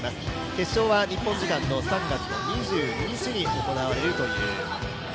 決勝は日本時間の３月２２日に行われます。